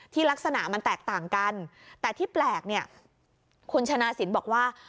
ลักษณะมันแตกต่างกันแต่ที่แปลกเนี่ยคุณชนะสินบอกว่า